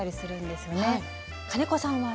金子さんは？